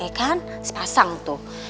ya kan sepasang tuh